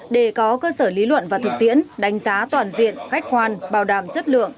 để có cơ sở lý luận và thực tiễn đánh giá toàn diện khách quan bảo đảm chất lượng